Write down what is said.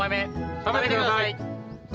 食べてください。